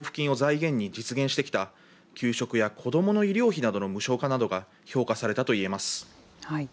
渡具知さんが基地関連の交付金を財源に実現してきた、給食や子どもの医療費などの無償化などが評価されたといえます。